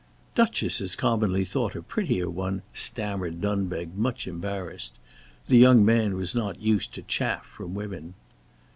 "Duchess is commonly thought a prettier one," stammered Dunbeg, much embarrassed. The young man was not used to chaff from women.